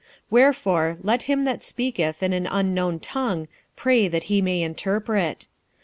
46:014:013 Wherefore let him that speaketh in an unknown tongue pray that he may interpret.